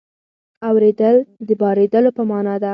اورېدل د بارېدلو په مانا ده.